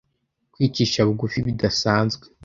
kwicisha bugufi bidasanzwe